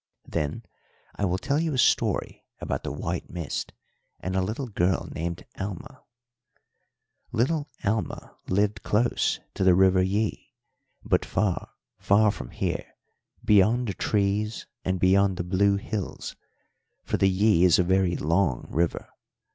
"Then I will tell you a story about the white mist and a little girl named Alma." "Little Alma lived close to the River Yí, but far, far from here, beyond the trees and beyond the blue hills, for the Yí is a very long river.